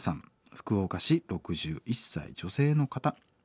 福岡市６１歳女性の方。